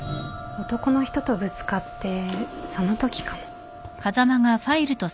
男の人とぶつかってそのときかも。